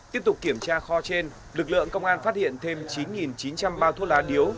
tiếp tục kiểm tra kho trên lực lượng công an phát hiện thêm chín chín trăm linh bao thuốc lá điếu